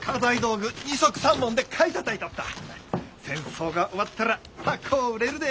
戦争が終わったら高う売れるで。